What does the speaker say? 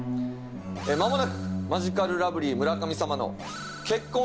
まもなくマヂカルラブリー村上様の結婚